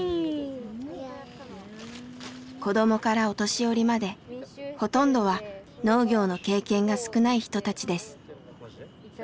子どもからお年寄りまでほとんどは農業の経験が少ない人たちです。